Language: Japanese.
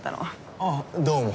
あぁどうも。